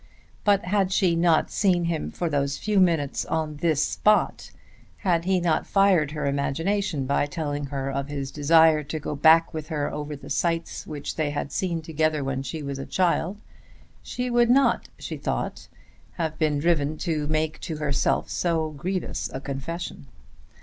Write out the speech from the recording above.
But had she not seen him for those few minutes on this spot, had he not fired her imagination by telling her of his desire to go back with her over the sites which they had seen together when she was a child, she would not, she thought, have been driven to make to herself so grievous a confession.